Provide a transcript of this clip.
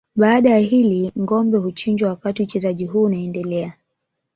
Baada ya hili ngombe huchinjwa wakati uchezaji huu unaendelea